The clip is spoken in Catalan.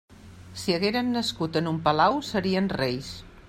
Si hagueren nascut en un palau, serien reis.